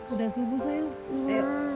udah subuh sayang